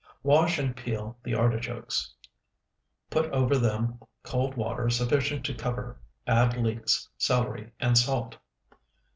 Wash and peel the artichokes, put over them cold water sufficient to cover, add leeks, celery, and salt.